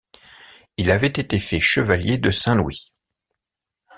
Il avait été fait chevalier de Saint-Louis.